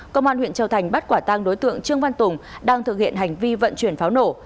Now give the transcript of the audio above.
công an huyện châu thành bắt quả tang đối tượng trương văn tùng đang thực hiện hành vi vận chuyển pháo nổ